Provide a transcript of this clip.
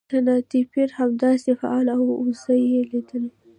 سنایپر همداسې فعال و او زه یې لیدلم